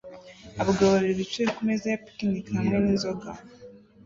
Abagabo babiri bicaye kumeza ya picnic hamwe n'inzoga